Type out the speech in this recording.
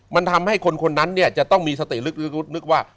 มันทำให้คนนี้จะต้องมีสติลึกว่า